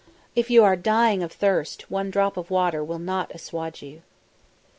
If you are dying of thirst, one drop of water will not assuage you!